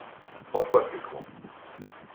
Trois fois plus grand.